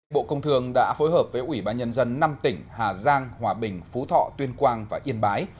bộ công thường đã phối hợp với ủy ban nhân dân năm tỉnh hà giang hòa bình phú thọ tuyên quang và yên bái